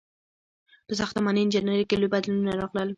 • په ساختماني انجینرۍ کې لوی بدلونونه راغلل.